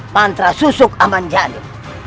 mantra susuk aman janin